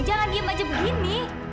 jangan diam aja begini